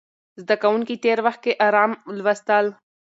زده کوونکي تېر وخت کې ارام لوستل.